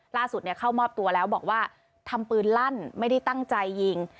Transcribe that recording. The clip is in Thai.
ล่าสุดเข้ามอบตัวแล้วบอกว่าทำปืนลั่นไม่ได้ตั้งใจยิง